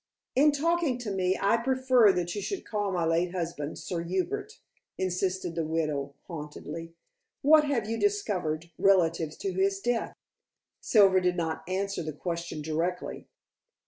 "In talking to me, I prefer that you should call my late husband Sir Hubert," insisted the widow haughtily. "What have you discovered relative to his death?" Silver did not answer the question directly.